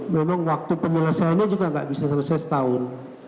memang waktu penyelesaiannya juga nggak bisa selesai setahun